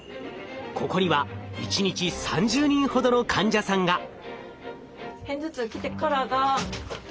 ここには１日３０人ほどの患者さんが。